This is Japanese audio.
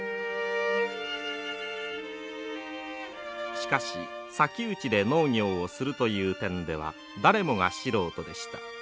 しかし砂丘地で農業をするという点では誰もが素人でした。